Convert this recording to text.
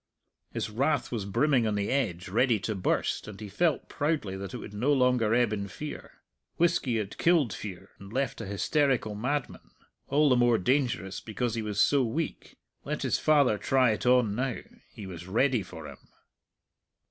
His wrath was brimming on the edge, ready to burst, and he felt proudly that it would no longer ebb in fear. Whisky had killed fear, and left a hysterical madman, all the more dangerous because he was so weak. Let his father try it on now; he was ready for him!